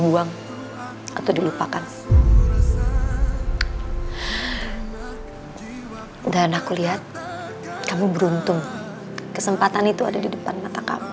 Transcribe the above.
sampai jumpa di video selanjutnya